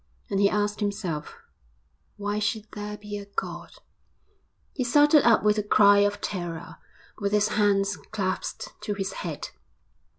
And he asked himself, 'Why should there be a God?' He started up with a cry of terror, with his hands clasped to his head.